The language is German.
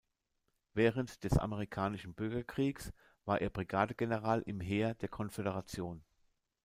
Während des Amerikanischen Bürgerkriegs war er Brigadegeneral im Heer der Konföderation.